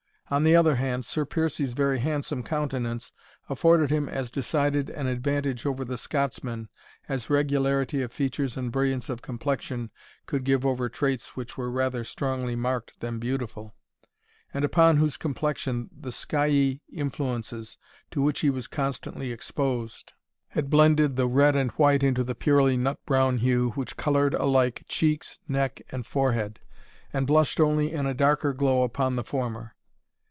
On the other hand, Sir Piercie's very handsome countenance afforded him as decided an advantage over the Scotsman, as regularity of features and brilliance of complexion could give over traits which were rather strongly marked than beautiful, and upon whose complexion the "skyey influences," to which he was constantly exposed, had blended the red and white into the purely nut brown hue, which coloured alike cheeks, neck, and forehead, and blushed only in a darker glow upon the former.